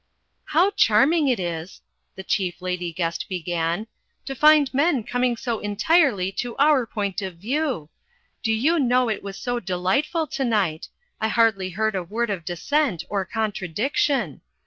"How charming it is," the Chief Lady Guest began, "to find men coming so entirely to our point of view! Do you know it was so delightful to night: I hardly heard a word of dissent or contradiction."